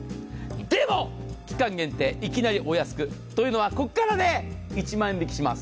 でも、期間限定いきなりお安くここから１万円引きします。